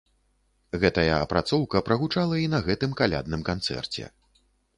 Гэтая апрацоўка прагучала і на гэтым калядным канцэрце.